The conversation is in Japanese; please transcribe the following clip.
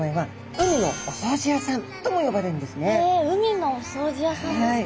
海のお掃除屋さんですか。